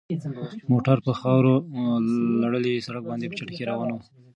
موټر په خاورو لړلي سړک باندې په چټکۍ روان و.